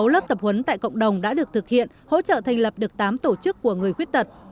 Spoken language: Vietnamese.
sáu lớp tập huấn tại cộng đồng đã được thực hiện hỗ trợ thành lập được tám tổ chức của người khuyết tật